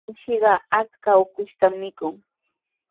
Mishiqa achka ukushtami mikun.